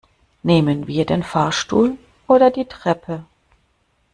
Nehmen wir den Fahrstuhl oder die Treppe?